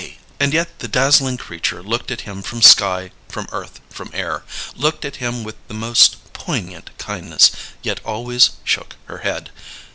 And yet the dazzling creature looked at him from sky, from earth, from air; looked at him with the most poignant kindness, yet always shook her head!